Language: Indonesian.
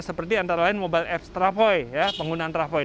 seperti antara lain mobile apps travoi penggunaan travoi